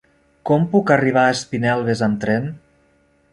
Com puc arribar a Espinelves amb tren?